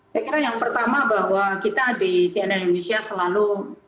saya kira yang pertama bahwa kita di cnn indonesia selalu